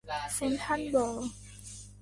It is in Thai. เซ็นทรัลเวิลด์